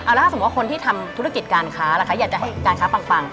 แล้วถ้าสมมุติคนที่ทำธุรกิจการค้าล่ะคะอยากจะให้การค้าปัง